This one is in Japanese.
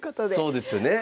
そうですよね。